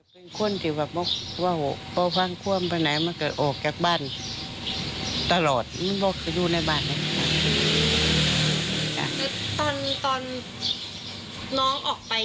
ตอนน้องออกไปอยู่ทางนอกตัวไหนคะหรืออย่างง่ายไปอยู่ทางนอก